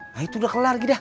nah itu udah kelar gida